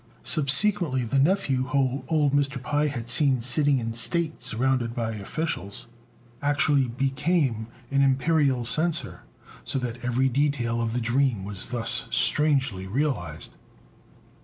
Subsequently the nephew, whom old Mr. Pai had seen sitting in state surrounded by officials, actually became an Imperial Censor, so that every detail of the dream was thus strangely realised.